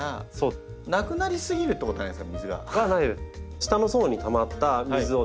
下の層にたまった水をですね